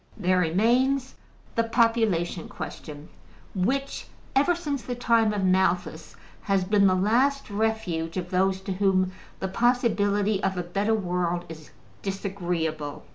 There remains the population question, which, ever since the time of Malthus, has been the last refuge of those to whom the possibility of a better world is disagreeable.